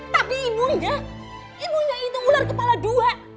tapi ibunya ibunya itu ular kepala dua